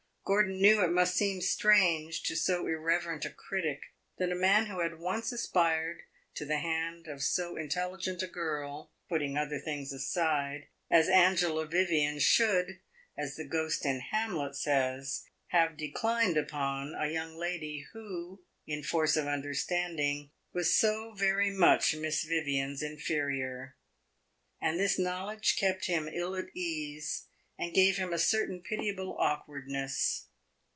Gordon knew it must seem strange to so irreverent a critic that a man who had once aspired to the hand of so intelligent a girl putting other things aside as Angela Vivian should, as the Ghost in "Hamlet" says, have "declined upon" a young lady who, in force of understanding, was so very much Miss Vivian's inferior; and this knowledge kept him ill at his ease and gave him a certain pitiable awkwardness.